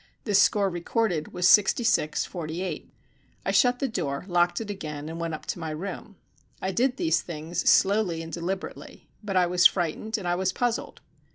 The score recorded was sixty six forty eight. I shut the door, locked it again, and went up to my room. I did these things slowly and deliberately, but I was frightened and I was puzzled.